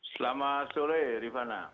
selamat sore rifana